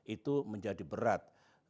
itu menjadi berat